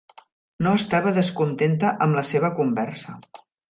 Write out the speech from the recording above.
No estava descontenta amb la seva conversa.